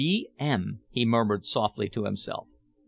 "B. M.," he murmured softly to himself.